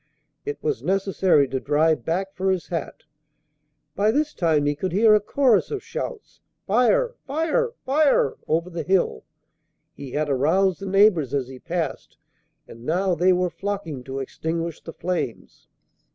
It was necessary to drive back for his hat. By this time he could hear a chorus of shouts, "Fire! fire! fire!" over the hill. He had aroused the neighbors as he passed, and now they were flocking to extinguish the flames.